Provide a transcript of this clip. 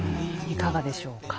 いかがでしょうか？